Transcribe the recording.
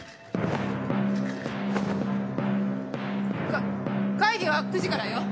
か、会議は９時からよ。